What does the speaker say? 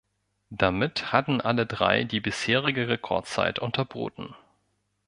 Damit hatten alle drei die bisherige Rekordzeit unterboten.